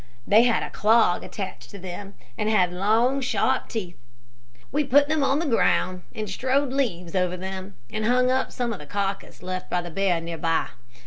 They had a clog attached to them, and had long, sharp teeth. We put them on the ground and strewed leaves over them, and hung up some of the carcass left by the bear near by.